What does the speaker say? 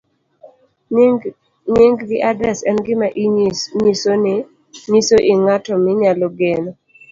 Nying' gi adres en gima nyiso i ng'at minyalo gen.